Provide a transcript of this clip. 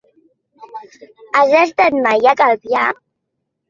Has estat mai a Calvià?